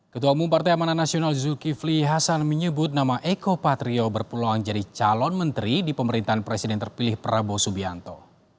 ketua umum partai amanah nasional zulkifli hasan menyebut nama eko patrio berpeluang jadi calon menteri di pemerintahan presiden terpilih prabowo subianto